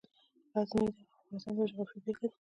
غزني د افغانستان د جغرافیې بېلګه ده.